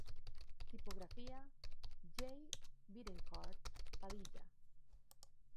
Tipografía: J. Bethencourt Padilla.